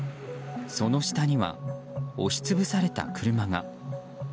その下には押し潰された車が。